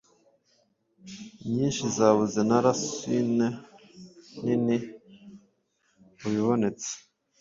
nyinshi zabuze na lacune nini mubibonetse